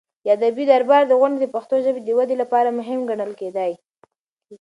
د ادبي دربار غونډې د پښتو ژبې د ودې لپاره مهمې ګڼل کېدې.